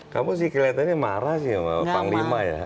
kamu sih kelihatannya marah sih sama panglima ya